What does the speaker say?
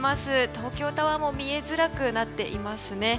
東京タワーも見えづらくなっていますね。